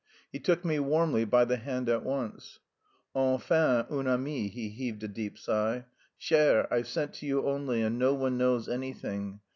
He took me warmly by the hand at once. "Enfin un ami!" (He heaved a deep sigh.) "Cher, I've sent to you only, and no one knows anything.